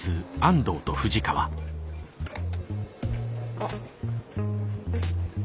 あっ。